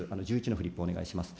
フリップお願いします。